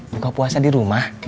buka puasa di rumah